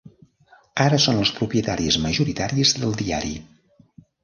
Ara són els propietaris majoritaris del diari.